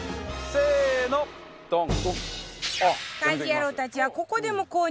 せーのドン！